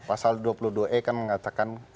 pasal dua puluh dua e kan mengatakan